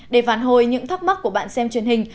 để phản hồi những thắc mắc của bạn xem truyền hình